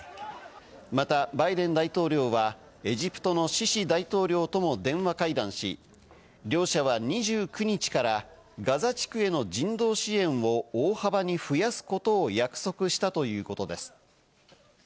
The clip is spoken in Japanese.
また、バイデン大統領はエジプトのシシ大統領とも電話会談し、両者は２９日からガザ地区への人道支援を大幅に増やすことを約束したということです。